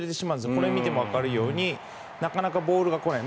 これを見てもわかるようになかなかボールが来ない。